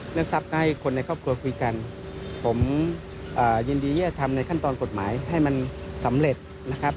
ทรัพย์ก็ให้คนในครอบครัวคุยกันผมยินดีที่จะทำในขั้นตอนกฎหมายให้มันสำเร็จนะครับ